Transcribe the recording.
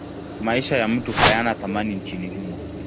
Maisha ya mtu hayana thamani nchini humo.